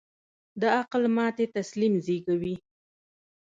د عقل ماتې تسلیم زېږوي.